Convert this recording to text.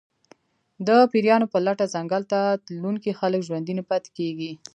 د پېریانو په لټه ځنګل ته تلونکي خلک ژوندي نه پاتې کېږي.